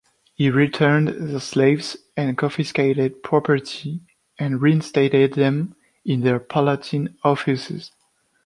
He returned their slaves and confiscated property, and reinstated them in their palatine offices.